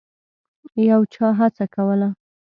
یو چا هڅه کوله.